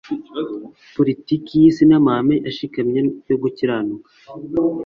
Politiki y'isi n'amahame ashikamye yo gukiranuka